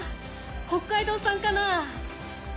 北海道産かな？